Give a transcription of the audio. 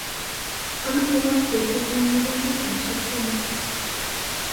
ameche paspotit ng'ung' nebo pichaisiek somok